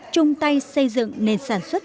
chung tay xây dựng nền sản xuất